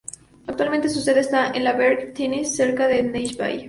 Actualmente, su sede está en La Vergne, Tennessee, cerca de Nashville.